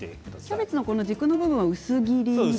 キャベツの軸の部分は薄切りですね。